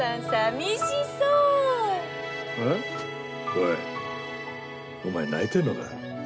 おいお前泣いてんのか？